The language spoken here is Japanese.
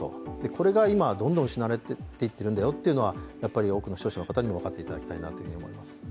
これが今、どんどん失われていっているんだよというのは、多くの視聴者に分かっていただきたいですね。